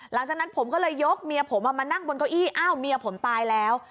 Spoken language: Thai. หลังจากนั้นผมก็เลยยกเมียผมมานั่งบนเก้าอี้อ้าวเมียผมตายแล้ว